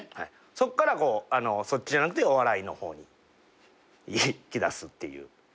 そっからそっちじゃなくてお笑いの方にいきだすっていう。